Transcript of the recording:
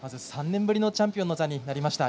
３年ぶりのチャンピオンの座になりました。